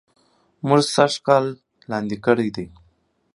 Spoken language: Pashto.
مونږ سږ کال لاندي کړي دي